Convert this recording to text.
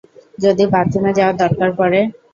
যদি বাথরুমে যাওয়ার দরকার পড়ে?